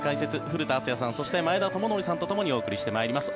古田敦也さんそして前田智徳さんとともにお伝えしてまいります。